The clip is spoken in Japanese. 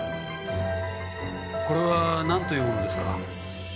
これはなんというものですか？